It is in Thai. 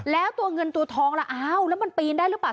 แล้วตัวเงินตัวทองล่ะอ้าวแล้วมันปีนได้หรือเปล่า